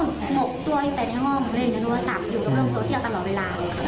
เล่นยนต์โทรศัพท์อยู่เรื่องโซเชียลตลอดเวลา